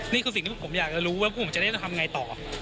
นี่คือสิ่งที่ผมอยากจะรู้ว่าพวกผมจะได้ทำไงต่อ